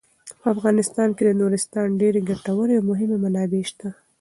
په افغانستان کې د نورستان ډیرې ګټورې او مهمې منابع شته.